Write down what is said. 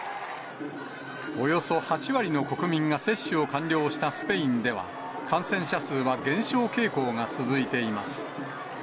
およそ８割の国民が接種を完了したスペインでは、感染者数は減少傾向が続いています。